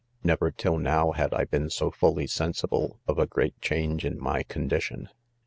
4 Never till now, had I been so fully sensible of a great change in my condition. .